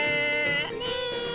ねえ！